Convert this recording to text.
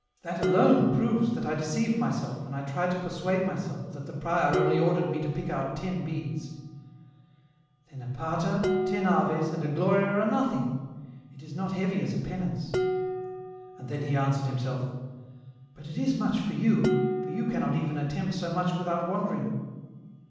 — that alone proves that I deceive myself when I try to persuade myself that the prior only ordered me to pick out ten beads !"" Then a Pater, ten Aves, and a Gloria are nothing ; it is not heavy as a penance !" And then he answered himself, " But it is much for you, for you cannot even attempt so much without wandering."